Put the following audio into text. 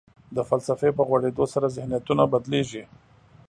د فلسفې په غوړېدو سره ذهنیتونه بدلېږي.